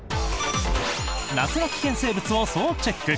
夏の危険生物を総チェック！